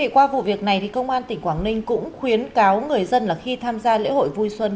qua vụ việc này công an tỉnh quảng ninh cũng khuyến cáo người dân là khi tham gia lễ hội vui xuân